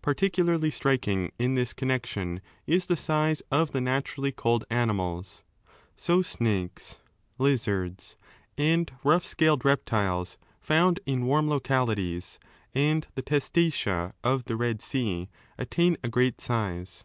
Particularly striking in this connection is the size of the naturally cold animals. So snakes, lizards, and rough scaled reptiles found in warm localities and the testacea of the Bed Sea attain a great size.